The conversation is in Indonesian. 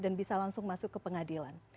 dan bisa langsung masuk ke pengadilan